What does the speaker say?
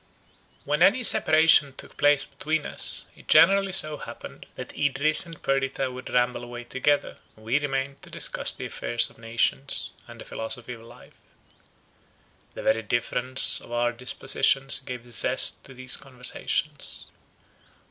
When any separation took place between us, it generally so happened, that Idris and Perdita would ramble away together, and we remained to discuss the affairs of nations, and the philosophy of life. The very difference of our dispositions gave zest to these conversations.